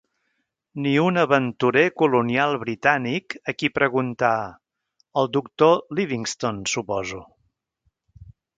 Ni un aventurer colonial britànic a qui preguntar "el doctor Livingstone, suposo?".